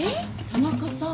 田中さん。